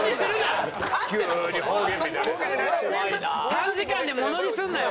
短時間でものにすんなよ